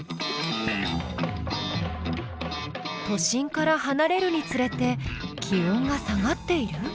都心からはなれるにつれて気温が下がっている。